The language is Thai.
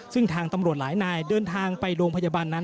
ซึ่งทางตำรวจหลายนายเดินทางไปโรงพยาบาลนั้น